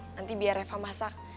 nanti biar reva masak